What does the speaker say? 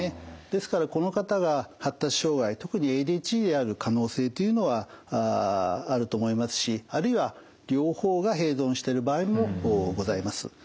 ですからこの方が発達障害特にＡＤＨＤである可能性というのはあると思いますしあるいは両方が併存している場合もございます。